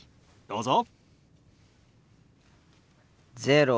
どうぞ。